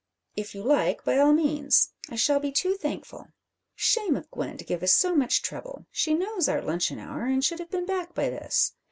"If you like by all means. I shall be too thankful. Shame of Gwen to give us so much trouble! She knows our luncheon hour, and should have been back by this.